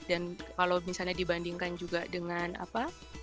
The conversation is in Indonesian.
dan kalau misalnya dibandingkan juga dengan apa